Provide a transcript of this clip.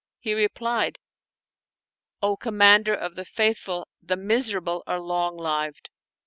" He replied, " O Commander of the Faithful, the miserable are long lived."